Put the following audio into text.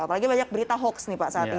apalagi banyak berita hoax nih pak saat ini